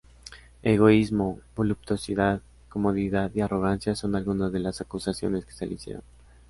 Egoísmo, voluptuosidad, comodidad y arrogancia son algunas de las acusaciones que se le hicieron.